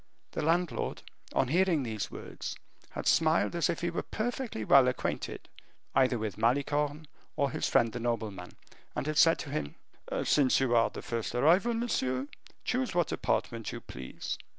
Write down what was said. The landlord, on hearing these words, had smiled as if he were perfectly well acquainted either with Malicorne or his friend the nobleman, and had said to him, "Since you are the first arrival, monsieur, choose what apartment you please."